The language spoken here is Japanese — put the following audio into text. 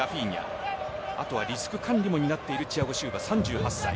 あとはリスク管理も担っているチアゴ・シウヴァ、３８歳。